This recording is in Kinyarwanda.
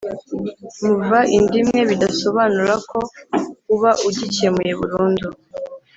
Muva inda imwe bidasobanura ko uba ugikemuye burundu